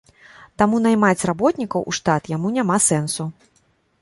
Таму наймаць работнікаў у штат яму няма сэнсу.